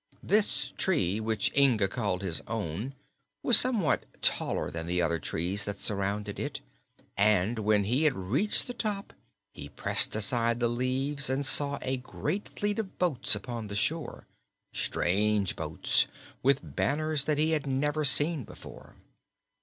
This tree, which Inga called his own, was somewhat taller than the other trees that surrounded it, and when he had reached the top he pressed aside the leaves and saw a great fleet of boats upon the shore strange boats, with banners that he had never seen before.